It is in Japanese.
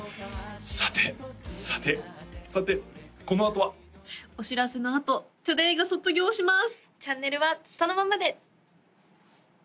さてさてさてこのあとはお知らせのあとトゥデイが卒業します